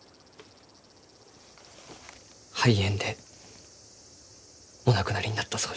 肺炎でお亡くなりになったそうじゃ。